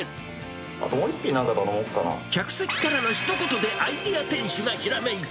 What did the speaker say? あともう１品、客席からのひと言でアイデア店主がひらめいた。